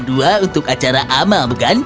ada rapat jam dua untuk acara amal bukan